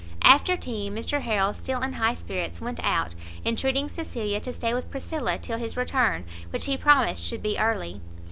After tea, Mr Harrel, still in high spirits, went out, entreating Cecilia to stay with Priscilla till his return, which he promised should be early.